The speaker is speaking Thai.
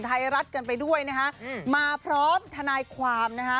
ไทยรัฐกันไปด้วยนะฮะมาพร้อมทนายความนะฮะ